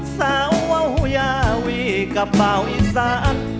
สาวเวายาวีก็เป่าอีสาน